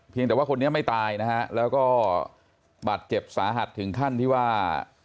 แต่ว่าคนนี้ไม่ตายนะฮะแล้วก็บาดเจ็บสาหัสถึงขั้นที่ว่า